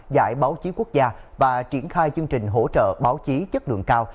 giải báo chí quốc gia và triển khai chương trình hỗ trợ báo chí chất lượng cao